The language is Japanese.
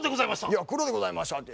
いや黒でございましたって。